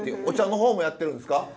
お茶のほうもやってるんですか？